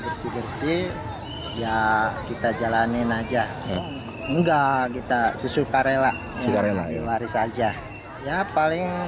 bersih bersih ya kita jalanin aja enggak kita sesuka rela waris aja ya paling